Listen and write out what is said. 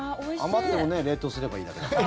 余ってもね冷凍すればいいだけだから。